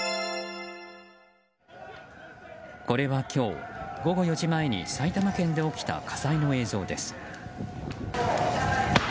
これは今日午後４時前に埼玉県で起きた火災の映像です。